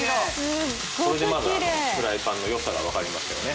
これでまずフライパンのよさが分かりますよね